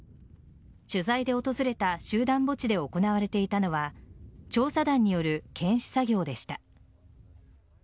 取材で訪れた集団墓地で行われていたのは調査団による検視作業でした。